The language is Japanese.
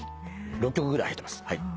６曲ぐらい入ってます。